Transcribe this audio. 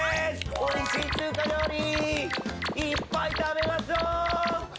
おいしい中華料理いっぱい食べましょう！